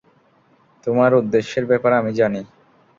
তোমার উদ্দেশ্যের ব্যাপারে আমি জানি।